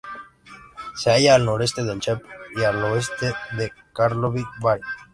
Se halla al noreste de Cheb y al oeste de Karlovy Vary.